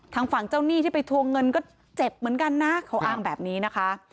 ทางฝั่งเจ้าหนี้ที่ไปทวงเงินก็เจ็บเหมือนกันนะเขาอ้างแบบนี้นะคะ